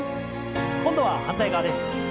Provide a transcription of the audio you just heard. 今度は反対側です。